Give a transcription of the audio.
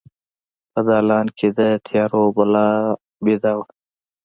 په دالان کې د تیارو بلا بیده وه